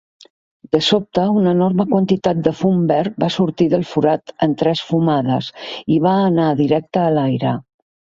De sobte, una enorme quantitat de fum verd va sortir del forat en tres fumades i va anar directe a l'aire.